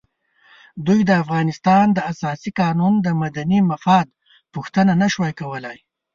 دوی د افغانستان د اساسي قانون د مدني مفاد پوښتنه نه شوای کولای.